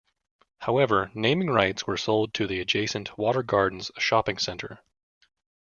However, naming rights were sold to the adjacent Watergardens Shopping Centre.